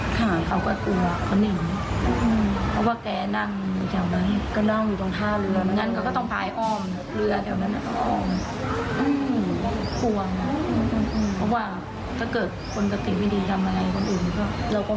ก็อยากจะให้หน่วยงานเข้ามาดูแลเนอะ